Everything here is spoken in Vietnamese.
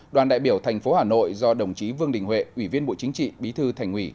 đoàn đại biểu thành phố hà nội do đồng chí vương đình huệ ủy viên bộ chính trị bí thư thành ủy